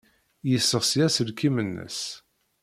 Yesseɣsi aselkim-nnes.